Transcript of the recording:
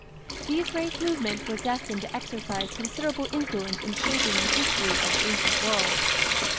These race movements were destined to exercise considerable influence in shaping the history of the ancient world.